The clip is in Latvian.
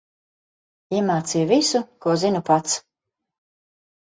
Iemācīju visu, ko zinu pats.